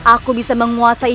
aku bisa menguasai